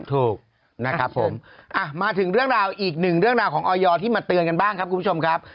ถูกนะครับผมมาถึงเรื่องราวอีกหนึ่งเรื่องราวของออยที่มาเตือนกันบ้างครับคุณผู้ชมครับ